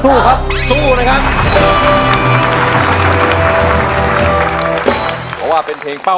เพราะว่าเป็นเพลงเป้าหมายนะครับ